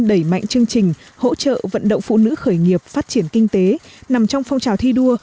đẩy mạnh chương trình hỗ trợ vận động phụ nữ khởi nghiệp phát triển kinh tế nằm trong phong trào thi đua